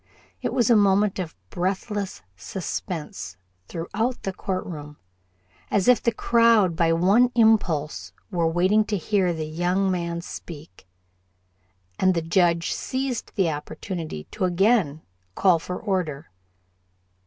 It was a moment of breathless suspense throughout the court room, as if the crowd by one impulse were waiting to hear the young man speak, and the Judge seized the opportunity to again call for order.